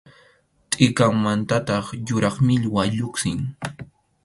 Tʼikanmantataq yuraq millwa lluqsin.